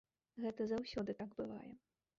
Гэта заўсёды так бывае.